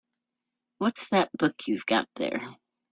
What's that book you've got there?